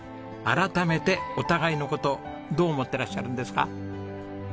改めてお互いの事どう思ってらっしゃるんですか？